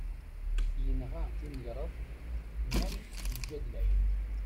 Yenɣa timgreḍt neɣ yeǧǧa-d lɛib.